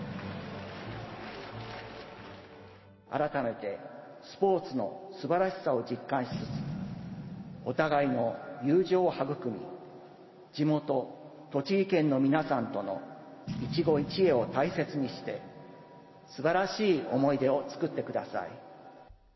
改めてスポーツのすばらしさを実感しつつ、お互いの友情を育み、地元、栃木県の皆さんとの一期一会を大切にして、すばらしい思い出を作ってください。